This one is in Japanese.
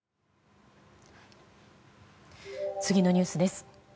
次のニュースです。